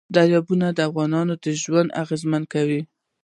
دریابونه د افغانانو ژوند اغېزمن کوي.